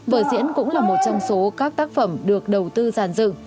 vở diễn cũng là một trong số các tác phẩm được đầu tư giàn dựng